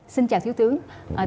xin chào thiếu tướng